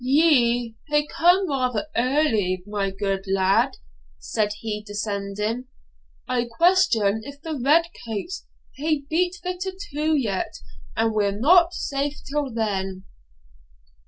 'Ye hae come rather early, my good lad,' said he, descending; 'I question if the red coats hae beat the tattoo yet, and we're not safe till then.'